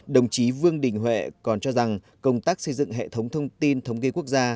đồng chí vương đình huệ còn cho rằng công tác xây dựng hệ thống thông tin thống kê quốc gia